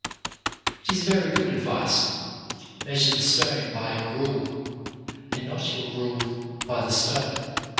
2. It is very good advice, Measure the stone by your rule, and not your rule by the stone.